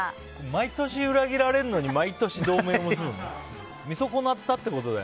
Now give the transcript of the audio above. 毎年裏切られるのに毎年、同盟結ぶんだ。